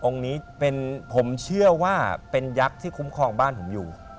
นี้ผมเชื่อว่าเป็นยักษ์ที่คุ้มครองบ้านผมอยู่